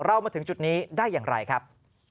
มาถึงจุดนี้ได้อย่างไรครับ